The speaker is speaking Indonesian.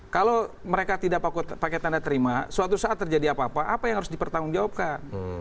kalau mereka tidak pakai tanda terima suatu saat terjadi apa apa apa yang harus dipertanggungjawabkan